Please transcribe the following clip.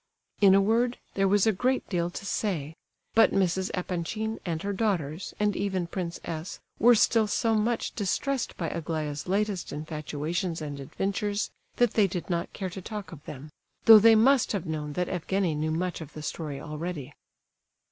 In a word, there was a great deal to say; but Mrs. Epanchin, and her daughters, and even Prince S., were still so much distressed by Aglaya's latest infatuations and adventures, that they did not care to talk of them, though they must have known that Evgenie knew much of the story already.